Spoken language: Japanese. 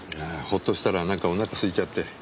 ほっとしたらなんかおなか空いちゃって。